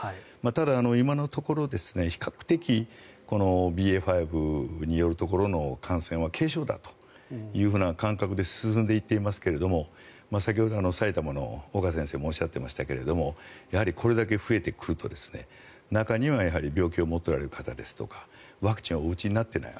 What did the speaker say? ただ、今のところ比較的ＢＡ．５によるところの感染は軽症だという感覚で進んでいますけれども先ほど埼玉の先生もおっしゃっていましたがやはりこれだけ増えてくると中には病気を持っている方ですとかワクチンをお打ちになっていない